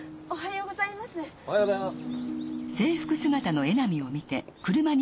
おはようございます。